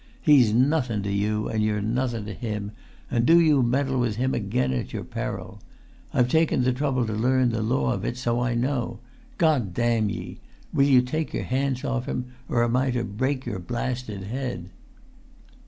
He's nothun to you and you're nothun to him, and do you meddle with him again at your peril. I've taken the trouble to learn the law of it, so I know. God damn ye! will you take your hands off him, or am I to break your blasted head?"